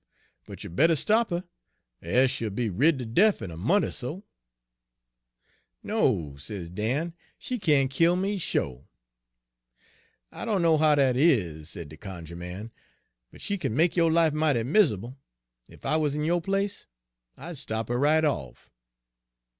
But you better stop her, er e'se you'll be rid ter def in a mont' er so.' Page 181 " 'No,' sez Dan, 'she can't kill me, sho'.' " 'I dunno how dat is,' said de cunjuh man, 'but she kin make yo' life mighty mis'able. Ef I wuz in yo' place, I'd stop her right off.'